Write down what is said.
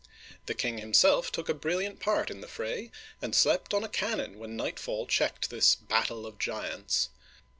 The king himself took a brilliant part in the fray, and slept on a cannon when nightfall checked this " Battle of Giants.